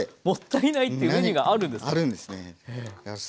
もったいないっていうメニューがあるんですか？